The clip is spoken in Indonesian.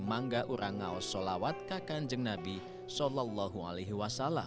mangga urangau solawat ke kanjeng nabi saw